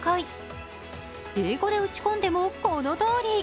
英語で打ち込んでもこのとおり。